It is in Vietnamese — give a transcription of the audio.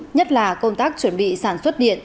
nhất là công tác chuẩn bị sản xuất điện